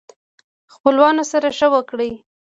خپلوانو سره ښه وکړئ